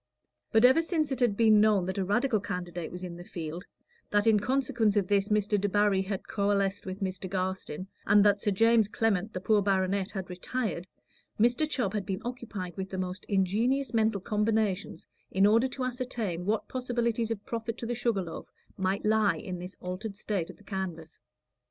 But ever since it had been known that a Radical candidate was in the field, that in consequence of this Mr. Debarry had coalesced with Mr. Garstin, and that Sir James Clement, the poor baronet, had retired, Mr. Chubb had been occupied with the most ingenious mental combinations in order to ascertain what possibilities of profit to the Sugar Loaf might lie in this altered state of the canvass.